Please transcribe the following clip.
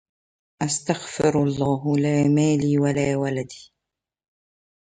أستغفر الله لا مالي ولا ولدي